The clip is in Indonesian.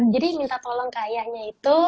jadi minta tolong ke ayahnya itu